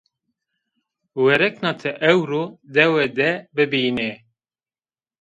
Werrekna ti ewro dewe de bibîyênê